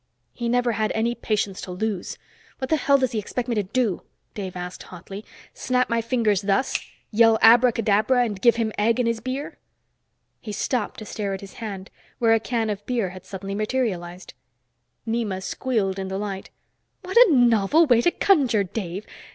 "He never had any patience to lose. What the hell does he expect me to do?" Dave asked hotly. "Snap my fingers thus, yell abracadabra and give him egg in his beer?" He stopped to stare at his hand, where a can of beer had suddenly materialized! Nema squealed in delight. "What a novel way to conjure, Dave.